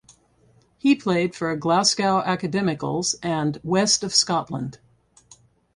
He played for Glasgow Academicals and West of Scotland.